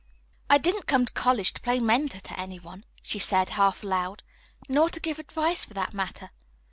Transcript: "I didn't come to college to play mentor to any one," she said, half aloud, "nor to give advice, for that matter.